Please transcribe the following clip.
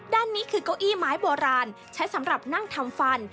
ด้านนี้คือเก้าอี้ไม้โบราณใช้สำหรับนั่งทำฟัน